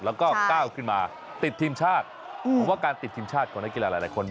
แล้วก็ก้าวขึ้นมาติดทีมชาติเพราะว่าการติดทีมชาติของนักกีฬาหลายคน